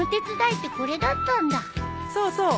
そうそう。